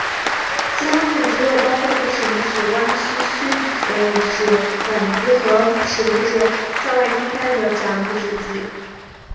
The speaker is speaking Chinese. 其他拇指肌肉包括可使拇指弯曲的屈拇短肌和使拇指向外张开的展拇短肌。